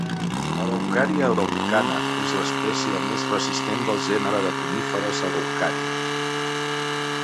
"Araucaria araucana" és l'espècie més resistent del gènere de coníferes "Araucaria".